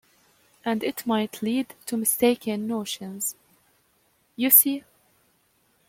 And it might lead to mistaken notions, you see.